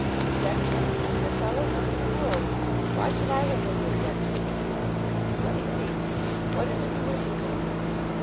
"Objection, my dear fellow? None in the world. Why should I have any objection? Let me see! What is it you wish to do?"